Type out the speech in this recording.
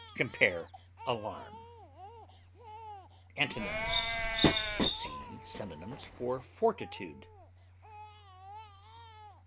Compare ALARM. Antonyms: See synonyms for FORTITUDE.